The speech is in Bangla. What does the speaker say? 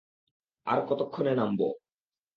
আর কতক্ষণে নামব?